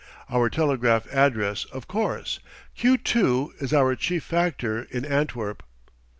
"Our telegraphic address, of course. 'Q 2' is our chief factor in Antwerp."